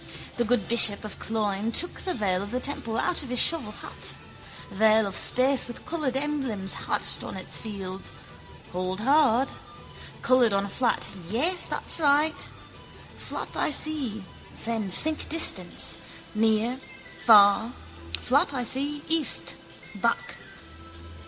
The good bishop of Cloyne took the veil of the temple out of his shovel hat: veil of space with coloured emblems hatched on its field. Hold hard. Coloured on a flat: yes, that's right. Flat I see, then think distance, near, far, flat I see, east, back.